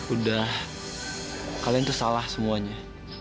udah kalian tuh salah semuanya